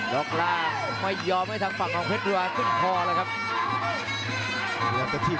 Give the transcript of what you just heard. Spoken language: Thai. ล็อกล่างไม่ยอมให้ทางฝั่งของเพชรดูอาขึ้นคอแล้วครับ